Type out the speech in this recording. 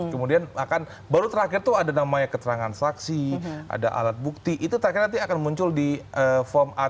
kemudian akan baru terakhir tuh ada namanya keterangan saksi ada alat bukti itu terakhir nanti akan muncul di form a